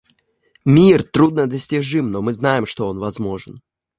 Мир труднодостижим, но мы знаем, что он возможен.